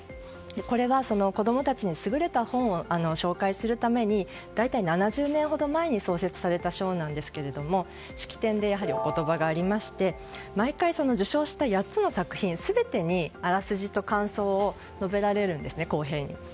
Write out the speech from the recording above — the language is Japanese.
これは子供たちに優れた本を紹介するために大体７０年ほど前に創設された賞なんですが式典でやはりお言葉がありまして毎回受賞した８つの作品にあらすじと感想を述べられるんですね、公平に。